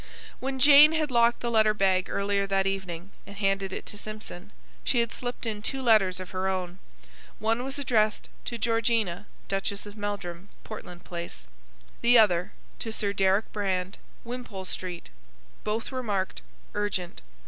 When Jane had locked the letter bag earlier that evening, and handed it to Simpson, she had slipped in two letters of her own. One was addressed to Georgina, Duchess of Meldrum Portland Place The other, to Sir Deryck Brand Wimpole Street Both were marked: Urgent.